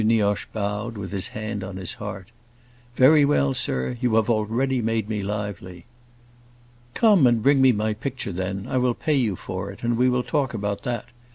Nioche bowed, with his hand on his heart. "Very well, sir; you have already made me lively." "Come and bring me my picture then; I will pay you for it, and we will talk about that.